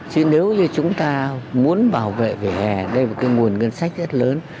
chứ nếu như chúng ta muốn bảo vệ vỉa hè đây là một cái nguồn ngân sách rất lớn